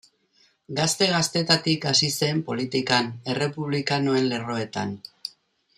Gazte-gaztetatik hasi zen politikan, errepublikanoen lerroetan.